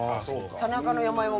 「田中」の山芋